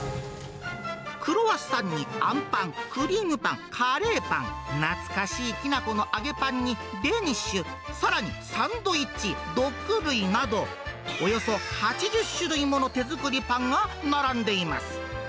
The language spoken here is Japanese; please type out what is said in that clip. クロワッサンにあんパン、クリームパン、カレーパン、懐かしいきな粉の揚げパンに、デニッシュ、さらにサンドイッチ、ドッグ類など、およそ８０種類もの手作りパンが並んでいます。